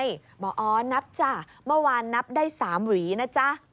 หมออ๋อนับจ้ะเมื่อวานนับได้๓หวีนะจ๊ะ